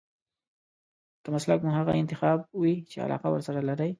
که مسلک مو هغه انتخاب وي چې علاقه ورسره لرئ.